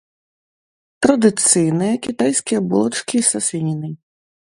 Традыцыйныя кітайскія булачкі са свінінай.